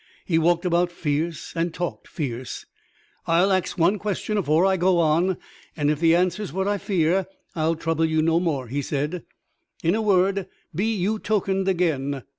He walked about fierce and talked fierce. "I'll ax one question afore I go on, and, if the answer's what I fear, I'll trouble you no more," he said. "In a word, be you tokened again?